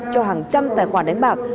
cho hàng trăm tài khoản đánh bạc